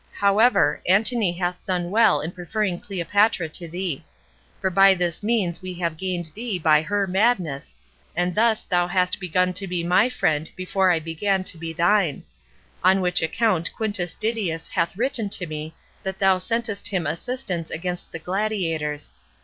However, Antony hath done well in preferring Cleopatra to thee; for by this means we have gained thee by her madness, and thus thou hast begun to be my friend before I began to be thine; on which account Quintus Didius hath written to me that thou sentest him assistance against the gladiators.